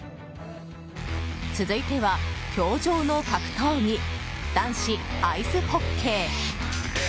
続いては、氷上の格闘技男子アイスホッケー。